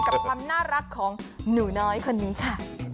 กับความน่ารักของหนูน้อยคนนี้ค่ะ